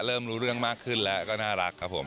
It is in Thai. เริ่มรู้เรื่องมากขึ้นแล้วก็น่ารักครับผม